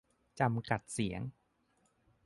-จำกัดเสียง